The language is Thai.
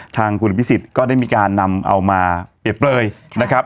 ทางคุณอภิษฎก็ได้มีการนำเอามาเปรียบเปลยนะครับ